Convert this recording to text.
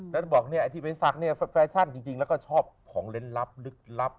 แล้วจะบอกเนี่ยไอ้ที่ไปซักเนี่ยแฟชั่นจริงแล้วก็ชอบของเล่นลับลึกลับ